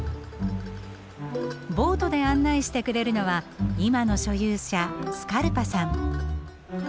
ボートで案内してくれるのは今の所有者スカルパさん。